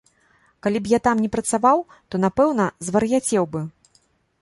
Калі б я там не працаваў, то, напэўна, звар'яцеў бы.